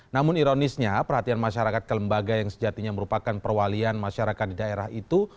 namun ironisnya perhatian masyarakat ke lembaga yang sejatinya merupakan perwalian masyarakat di daerah itu